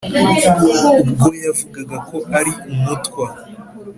ubwo yavugaga ko ari umutwa.